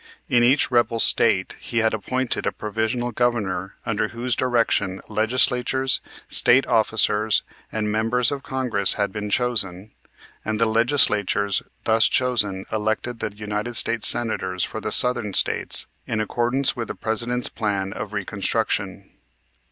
In each rebel State he had appointed a provisional governor under whose direction Legislatures, State officers, and members of Congress had been chosen, and the Legislatures thus chosen elected the United States Senators for the Southern States in accordance with the President's plan of reconstruction.